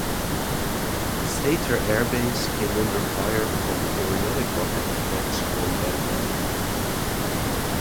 Sather Air Base came under fire from periodic rocket attacks from Baghdad.